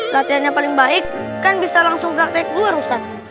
latihan yang paling baik kan bisa langsung praktek di luar ustadz